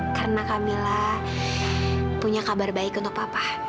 karena kamila punya kabar baik untuk papa